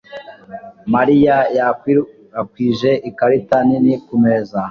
Mariya yakwirakwije ikarita nini kumeza